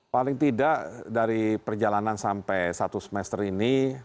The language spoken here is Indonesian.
paling tidak dari perjalanan sampai satu semester ini